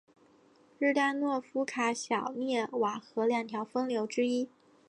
日当诺夫卡小涅瓦河两条分流之一。